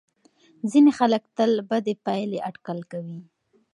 ځینې خلک تل بدې پایلې اټکل کوي.